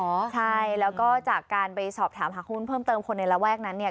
ใช่แล้วก็จากการไปสอบถามหาหุ้นเพิ่มเติมคนในระแวกนั้นเนี่ย